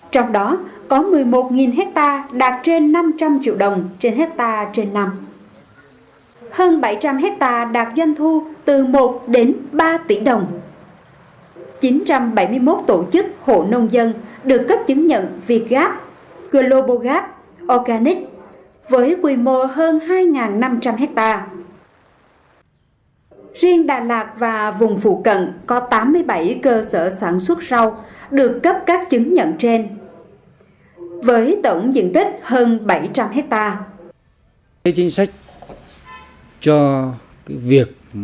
trong đó có một mươi một hectare nông nghiệp ứng dụng công nghệ cao chiếm gần một mươi sáu bốn diện tích canh tác